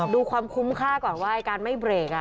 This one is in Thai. ดูความคุ้มค่าก่อนว่าการไม่เบรก